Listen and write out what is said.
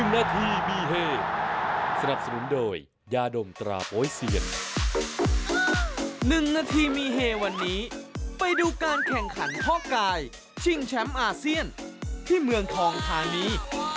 นาทีมีเฮวันนี้ไปดูการแข่งขันข้อกายชิงแชมป์อาเซียนที่เมืองทองทานี